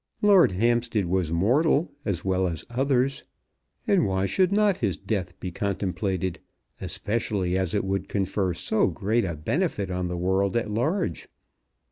Lord Hampstead was mortal, as well as others. And why should not his death be contemplated, especially as it would confer so great a benefit on the world at large?